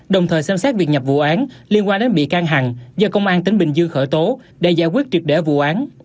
đồng thời xem xét việc nhập vụ án liên quan đến bị can hằng do công an tỉnh bình dương khởi tố để giải quyết triệt để vụ án